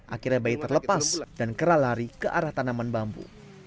akhirnya bayi terlepas dan kera lari ke arah tanaman bambu